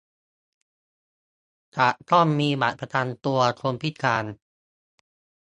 จะต้องมีบัตรประจำตัวคนพิการ